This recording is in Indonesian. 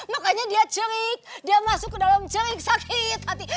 makanya dia jelek dia masuk ke dalam jelek sakit hati